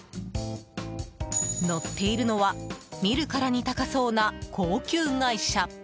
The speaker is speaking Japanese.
乗っているのは見るからに高そうな高級外車。